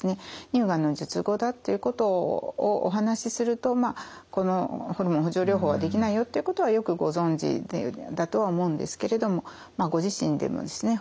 乳がんの術後だっていうことをお話しするとこのホルモン補充療法はできないよっていうことはよくご存じだとは思うんですけれどもご自身でもですね